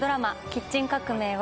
キッチン革命